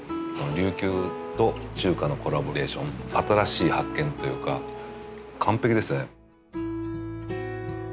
琉球と中華のコラボレーション新しい発見というか完璧ですね。